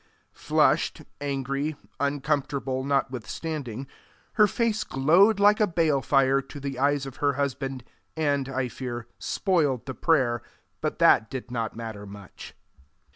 Flushed, angry, uncomfortable, notwithstanding, her face glowed like a bale fire to the eyes of her husband, and, I fear, spoiled the prayer but that did not matter much.